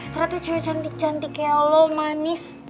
ternyata cewek cantik cantik kayak lo manis